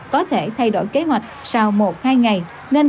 có thể thay đổi kế hoạch sau một hai ngày nên cần sự đồng hành cùng phụ huynh học sinh